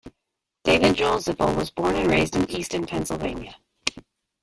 David Joel Zippel was born and raised in Easton, Pennsylvania.